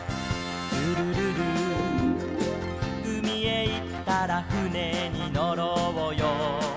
「ルルルル」「うみへいったらふねにのろうよ」